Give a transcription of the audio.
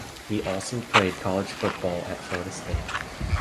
He also played college football at Florida State.